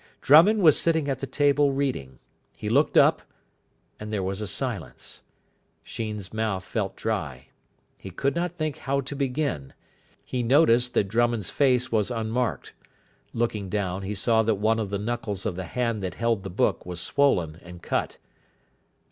Drummond was sitting at the table reading. He looked up, and there was a silence. Sheen's mouth felt dry. He could not think how to begin. He noticed that Drummond's face was unmarked. Looking down, he saw that one of the knuckles of the hand that held the book was swollen and cut.